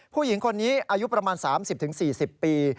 ผู้หญิงคนนี้อายุประมาณ๓๐๔๐ปี